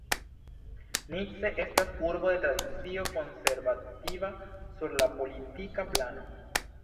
Nice estas urbo de tradicio konservativa sur la politika plano.